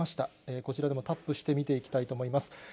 こちらでもタップして見ていきたいと思います。